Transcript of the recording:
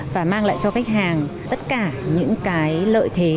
và mang lại cho khách hàng tất cả những cái lợi thế